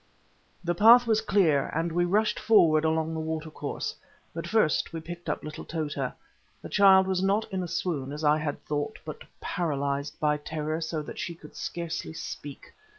The path was clear, and we rushed forward along the water course. But first we picked up little Tota. The child was not in a swoon, as I had thought, but paralyzed by terror, so that she could scarcely speak.